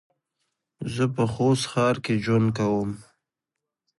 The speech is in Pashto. زه په خوست ښار کې ژوند کوم